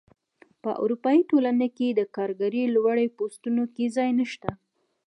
په اروپايي ټولنه کې د کارګرۍ لوړو پوستونو کې ځای نشته.